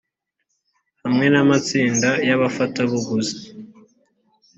hamwe n amatsinda y abafatabuguzi